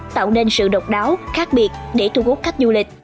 tạo nên sự độc đáo khác biệt để thu hút khách du lịch